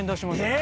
え